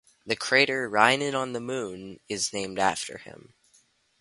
The crater Rynin on the Moon is named after him.